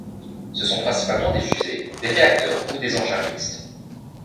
Ce sont principalement des fusées, des réacteurs ou des engins mixtes.